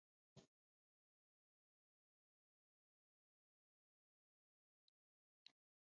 大韦内迪格山麓诺伊基兴是奥地利萨尔茨堡州滨湖采尔县的一个市镇。